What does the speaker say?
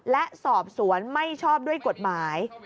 และสอบสวนไม่ชอบด้วยกฎหมาย